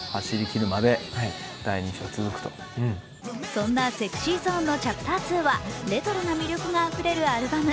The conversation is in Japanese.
そんなＳｅｘｙＺｏｎｅの「ＣｈａｐｔｅｒⅡ」はレトロな魅力があふれるアルバム。